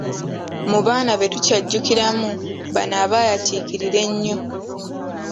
Mu baana be tukyajjukiramu bano abaayatiikirira ennyo.